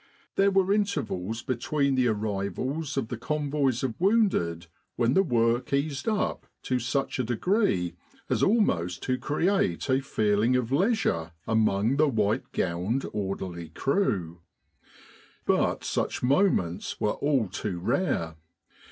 There were intervals between the arrivals of the convoys of wounded when the work eased up to such a degree as almost to create a feeling of leisure among the white gowned orderly crew. But such moments were all too rare.